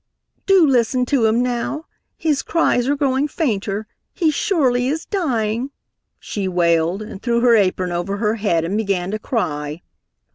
"Do listen to him now! His cries are growing fainter! He surely is dying!" she wailed, and threw her apron over her head and began to cry.